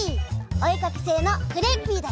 おえかきせいのクレッピーだよ！